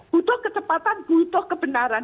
butuh ketepatan butuh kebenaran